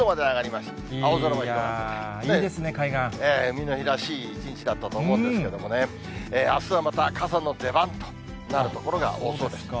海の日らしい一日だったと思うんですけれどもね、あすはまた傘の出番となる所が多そうです。